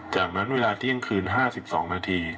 จากนั้นเวลาเที่ยงคืน๕๒นาที